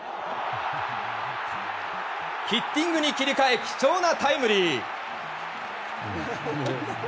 ヒッティングに切り替え貴重なタイムリー！